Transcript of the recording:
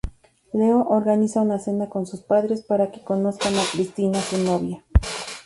Leo organiza una cena con sus padres para que conozcan a Cristina, su novia.